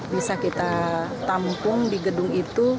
bisa kita tampung di gedung itu